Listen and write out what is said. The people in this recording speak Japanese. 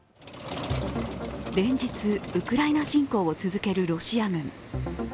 連日、ウクライナ侵攻を続けるロシア軍。